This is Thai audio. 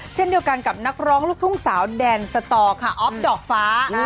เช่นเดียวกันกับนักร้องลูกทุ่งสาวแดนสตอค่ะอ๊อฟดอกฟ้า